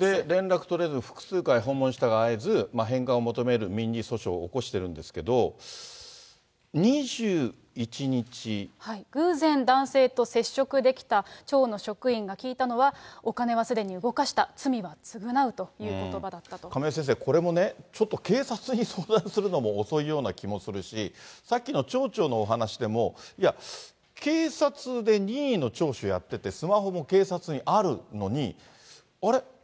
連絡取れず、複数回訪問したが会えず、返還を求める民事訴訟を起こしてるんですけれども、２１日、偶然、男性と接触できた町の職員が聞いたのは、お金はすでに動かした、亀井先生、これもね、ちょっと警察に相談するのも遅いような気もするし、さっきの町長のお話でも、いや、警察で任意の聴取をやっていて、スマホも警察にあるのに、あれ？